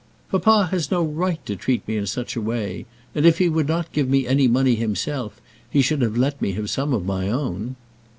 "Papa has no right to treat me in such a way. And if he would not give me any money himself, he should have let me have some of my own."